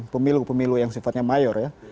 pemilu pemilu yang sifatnya mayor ya